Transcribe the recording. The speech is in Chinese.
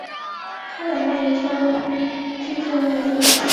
清朝末年出任资政院议员。